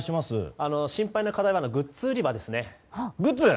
心配な課題はグッズ売り場ですね。